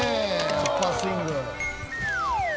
アッパースイング。